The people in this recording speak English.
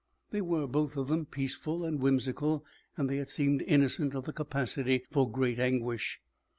They were, both of them, peaceful and whimsical and they had seemed innocent of the capacity for great anguish.